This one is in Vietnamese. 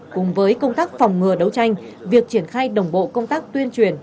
cùng với công tác phòng ngừa đấu tranh việc triển khai đồng bộ công tác tuyên truyền